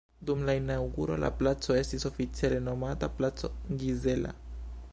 Dum la inaŭguro la placo estis oficiale nomata placo Gizella.